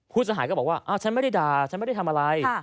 พุทธศาลก็บอกว่าฉันไม่ได้ด่าฉันไม่ได้ทำอะไร